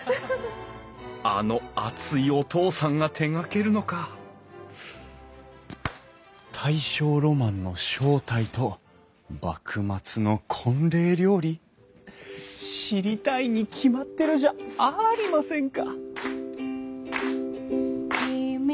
あの熱いお父さんが手がけるのか大正ロマンの正体と幕末の婚礼料理知りたいに決まってるじゃありませんか！